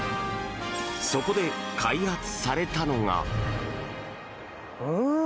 そこで開発されたのが。